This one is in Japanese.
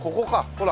ほら。